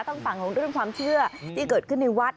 ต้องฟังเรื่องความเชื่อที่เกิดขึ้นในวัด